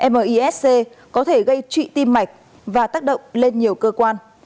misc có thể gây trụy tim mạch và tác động lên nhiều cơ quan